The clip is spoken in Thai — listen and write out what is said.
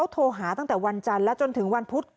โทรหาตั้งแต่วันจันทร์และจนถึงวันพุธ